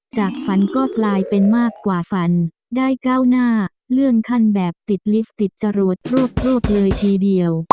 จากฝันก็กลายเป็นมากกว่าฝันได้ก้าวหน้าเลื่อนขั้นแบบติดลิฟต์ติดจรวดรวบเลยทีเดียว